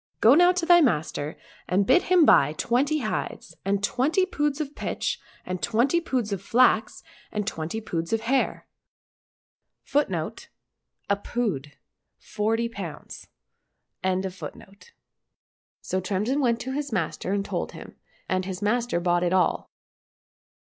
Go now to thy master, and bid him buy twenty hides, and twenty poods ^ of pitch, and twenty poods of flax, and twenty poods of hair." — So Tremsin went to his master and told him, and his master bought it all.